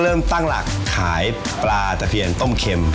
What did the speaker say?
เริ่มตั้งหลักขายปลาตะเคียนต้มเข็ม